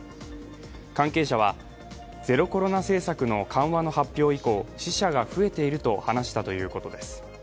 関係者はゼロコロナ政策の緩和の発表以降死者が増えていると話したということです。